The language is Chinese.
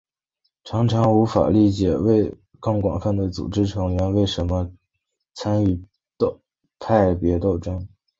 外界常常无法理解更广泛的组织成员为什么参与派别斗争。